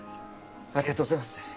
ありがとうございます